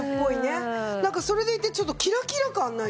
なんかそれでいてちょっとキラキラ感ないですか？